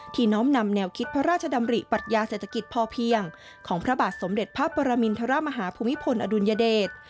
น้อมนำแนวคิดพระราชดำริปัญญาเศรษฐกิจพอเพียงของพระบาทสมเด็จพระปรมินทรมาฮาภูมิพลอดุลยเดช